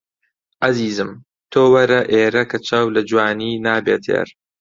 عەزیزم تۆ وەرە ئێرە کە چاو لە جوانی نابێ تێر